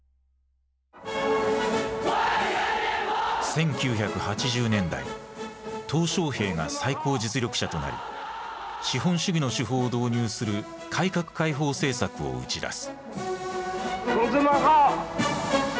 １９８０年代小平が最高実力者となり資本主義の手法を導入する「改革開放」政策を打ち出す。